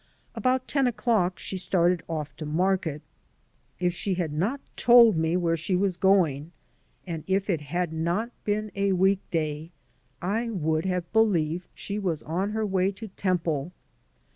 About ten o'clock she started oflF to market. If she had not told me where she was going, and if it had not been a week day, I would have believed she was on her way to temple.